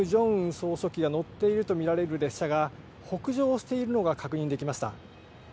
総書記が乗っていると見られる列車が、北上しているのが確認できました。